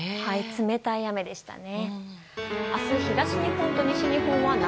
冷たい雨でしたね。